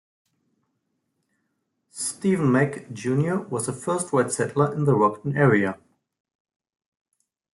Stephen Mack, Junior was the first white settler in the Rockton area.